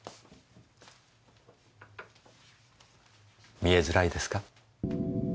見えづらいですか？